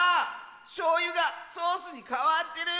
しょうゆがソースにかわってる！